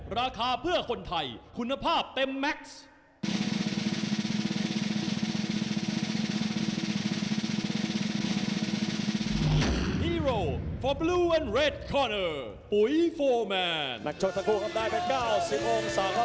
เอาล่ะทุกคนตามไปให้รอบของเวทีดีกว่า